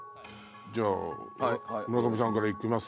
じゃあ村上さんから行きます？